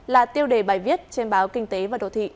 là tiêu đề bài viết trên báo kinh tế và đồ thị